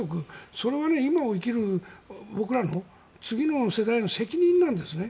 それが今を生きる僕らの次の世代の責任なんですね。